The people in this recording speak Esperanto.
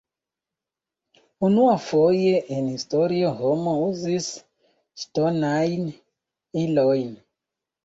Unuafoje en historio homo uzis ŝtonajn ilojn.